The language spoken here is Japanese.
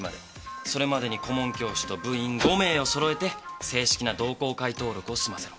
それまでに顧問教師と部員５名をそろえて正式な同好会登録を済ませろ。